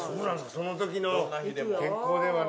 その時の天候ではね。